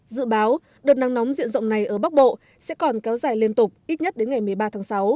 dự báo đợt nắng nóng diện rộng này ở bắc bộ sẽ còn kéo dài liên tục ít nhất đến ngày một mươi ba tháng sáu